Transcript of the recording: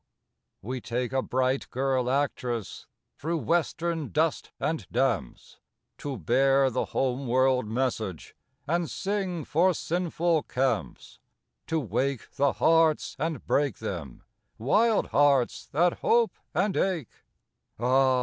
We take a bright girl actress through western dust and damps, To bear the home world message, and sing for sinful camps, To wake the hearts and break them, wild hearts that hope and ache (Ah!